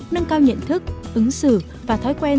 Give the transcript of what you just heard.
nâng cao nhận thức ứng xử và thói quen